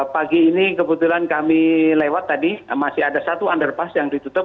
pagi ini kebetulan kami lewat tadi masih ada satu underpass yang ditutup